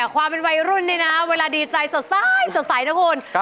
ควบเป็นวัยรุ่นเนี่ยนะเวลาดีใจสะสายสะสายนะคุณ